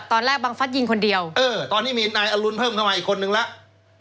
บังฟัสยิงคนเดียวเออตอนนี้มีนายอรุณเพิ่มเข้ามาอีกคนนึงแล้ว